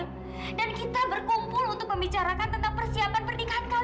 dan kita berkumpul untuk membicarakan tentang persiapan pernikahan kalian